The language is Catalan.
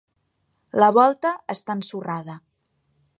La volta està ensorrada.